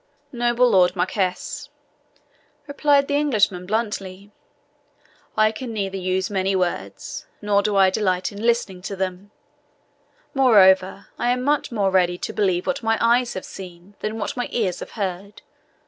"Noble Lord Marquis," replied the Englishman bluntly, "I can neither use many words, nor do I delight in listening to them; moreover, I am much more ready to believe what my eyes have seen than what my ears have heard.